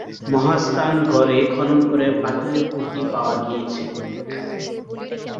মহাস্থান গড়এ খনন করে পাথুরে পুঁতি পাওয়া গিয়েছে।